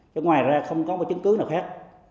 chứ ngoài ra không có chứng cứ nào khác